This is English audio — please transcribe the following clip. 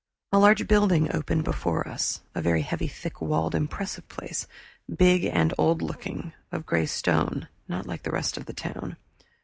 A large building opened before us, a very heavy thick walled impressive place, big, and old looking; of gray stone, not like the rest of the town.